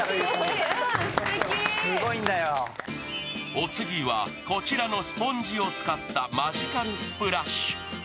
お次はこちらのスポンジを使ったマジカルスプラッシュ。